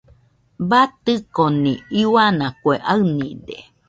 Batɨconi iuana kue aɨnide.